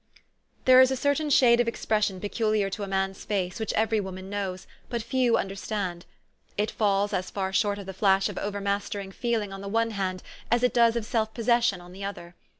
There is a certain shade of expression peculiar to a man's face, which every woman knows, but few understand. It falls as far short of the flash of over mastering feeling on the one hand as it does of self possession on the other.